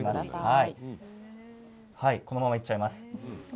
このままいっちゃいます。